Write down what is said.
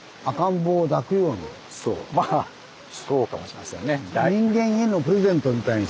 そうまあそうかもしれませんね。